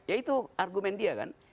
ya itu argumen dia kan